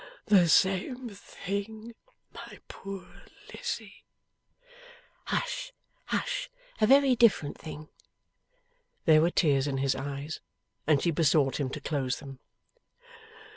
'The same thing, my poor Lizzie!' 'Hush! hush! A very different thing.' There were tears in his eyes, and she besought him to close them.